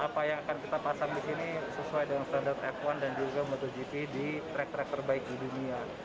apa yang akan kita pasang di sini sesuai dengan standar f satu dan juga motogp di track track terbaik di dunia